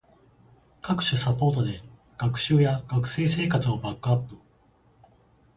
各種サポートで学習や学生生活をバックアップ